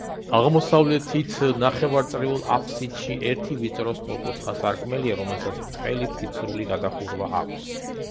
აღმოსავლეთით ნახევარწრიულ აფსიდში, ერთი ვიწრო სწორკუთხა სარკმელია, რომელსაც ბრტყელი ფიცრული გადახურვა აქვს.